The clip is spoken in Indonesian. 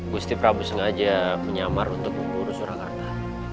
gusti prabu sengaja menyamar untuk mengurus surakarta